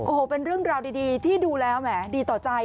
โอ้โหเป็นเรื่องราวดีที่ดูแล้วแหมดีต่อใจ